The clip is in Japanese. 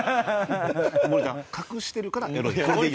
森田は「隠してるからエロい」。